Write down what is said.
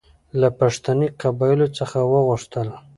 له پښتني قبایلو څخه وغوښتل.